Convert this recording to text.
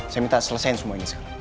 saya minta selesain semua ini sekarang